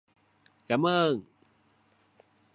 Cảm ơn